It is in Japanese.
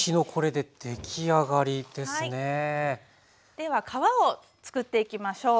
では皮をつくっていきましょう。